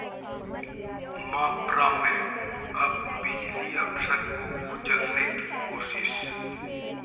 मप्र में अब बिजली अफसर को कुचलने की कोशिश